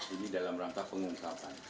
ini dalam rangka pengungkapan